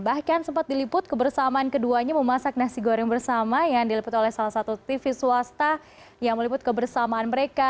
bahkan sempat diliput kebersamaan keduanya memasak nasi goreng bersama yang diliput oleh salah satu tv swasta yang meliput kebersamaan mereka